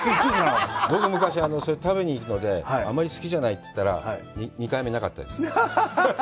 僕昔、食べに行ったのであんまり好きじゃないって言ったら、２回目、なかったです。